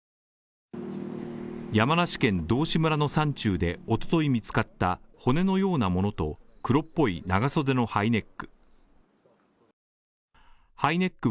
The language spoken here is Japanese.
山梨県道志村の山中で、おととい見つかった骨のようなものと、黒っぽい長袖のハイネック。